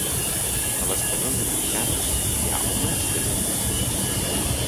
A les presons americanes hi ha homes que tenen fills.